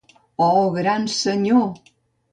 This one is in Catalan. Oh, gran Senyor!